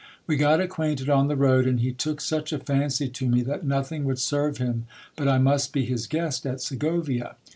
We got acquainted on the road, and he took such a fancy to me that nothing would serve him but I must be his guest at Segovia.